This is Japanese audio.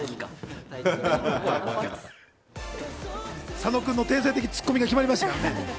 佐野君の天才的ツッコミが決まりました。